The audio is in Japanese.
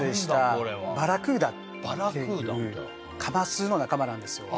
これはバラクーダっていうカマスの仲間なんですよ